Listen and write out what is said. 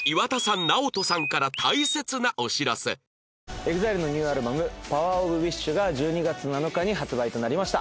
ＥＸＩＬＥのニューアルバム『ＰＯＷＥＲＯＦＷＩＳＨ』が１２月７日に発売となりました。